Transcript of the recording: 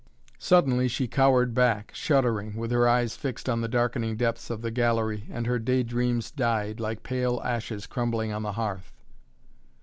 Suddenly she cowered back, shuddering, with her eyes fixed on the darkening depths of the gallery and her day dreams died, like pale ashes crumbling on the hearth.